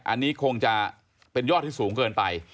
อันนี้คงจะเป็นยอดที่สูงเกินไป